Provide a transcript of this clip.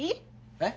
えっ？